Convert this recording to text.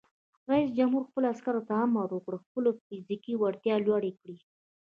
رئیس جمهور خپلو عسکرو ته امر وکړ؛ خپله فزیکي وړتیا لوړه کړئ!